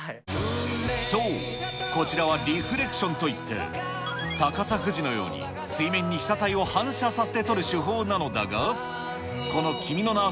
そう、こちらはリフレクションといって逆さ富士のように水面に被写体を反射させて撮る手法なのだが、この君の名は。